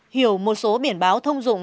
hiểu một số biển báo thông dụng